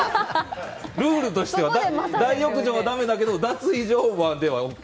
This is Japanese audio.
ルールとしては大浴場はだめだけど脱衣所ではＯＫ。